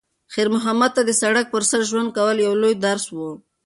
خیر محمد ته د سړک پر سر ژوند کول یو لوی درس و.